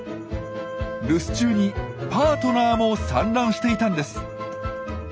留守中にパートナーも産卵していたんです。